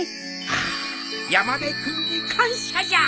ああ山根君に感謝じゃ。